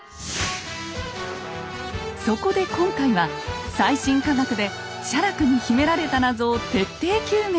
そこで今回は最新科学で写楽に秘められた謎を徹底究明！